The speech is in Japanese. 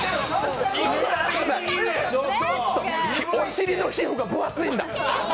お尻の皮膚が分厚いんだ。